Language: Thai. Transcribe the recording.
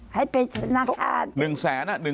ให้ไปธนาคาร